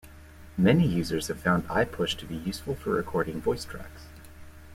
Many users have found iPush to be useful for recording voicetracks.